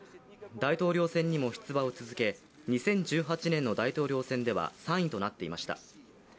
大統領選にも出馬を続け２０１８年の大統領選では３位となっていました。